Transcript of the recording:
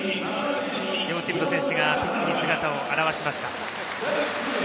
両チームの選手がピッチに姿を現しました。